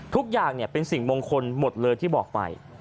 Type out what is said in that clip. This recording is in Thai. ทุกอย่างเป็นสิ่งมงคลหมดเลยที่บอกไป